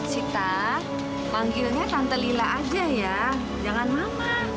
sita manggilnya tante lila aja ya jangan mama